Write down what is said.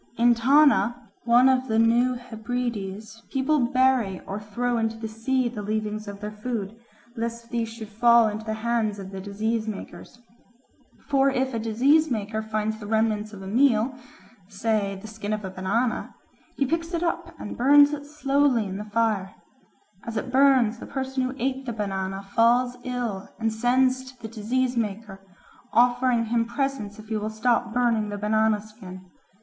In Tana, one of the New Hebrides, people bury or throw into the sea the leavings of their food, lest these should fall into the hands of the disease makers. For if a disease maker finds the remnants of a meal, say the skin of a banana, he picks it up and burns it slowly in the fire. As it burns, the person who ate the banana falls ill and sends to the disease maker, offering him presents if he will stop burning the banana skin.